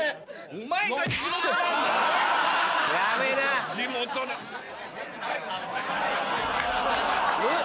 おっ。